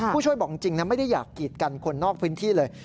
ผู้ช่วยบอกจริงนะไม่ได้อยากกีดกันคนนอกพื้นที่เลย